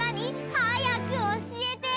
はやくおしえて！